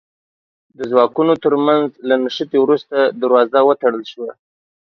د ځواکونو تر منځ له نښتې وروسته دروازه وتړل شوه.